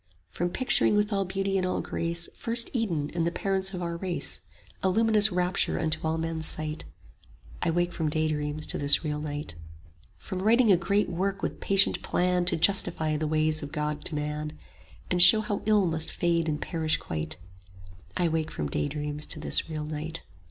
40 From picturing with all beauty and all grace First Eden and the parents of our race, A luminous rapture unto all men's sight: I wake from daydreams to this real night. From writing a great work with patient plan 45 To justify the ways of God to man, And show how ill must fade and perish quite: I wake from daydreams to this real night.